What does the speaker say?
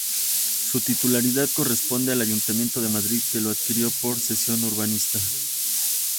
Su titularidad corresponde al Ayuntamiento de Madrid, que lo adquirió por cesión urbanística.